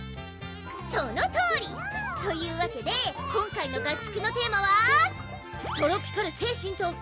そのとおり！というわけで今回の合宿のテーマは「トロピカる精神と！